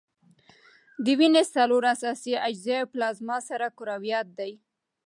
د وینې څلور اساسي اجزاوي پلازما، سره کرویات دي.